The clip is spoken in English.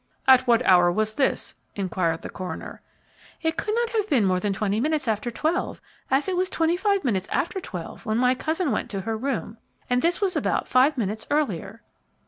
"At what hour was this?" inquired the coroner. "It could not have been more than twenty minutes after twelve, as it was twenty five minutes after twelve when my cousin went to her room, and this was about five minutes earlier."